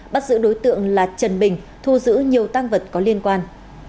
bắt giữ đối tượng là trần bình thu giữ nhiều tăng vật có liên quan